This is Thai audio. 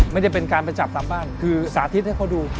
ไม่ได้เป็นการไปจับตามบ้านคือสาธิตให้เขาดู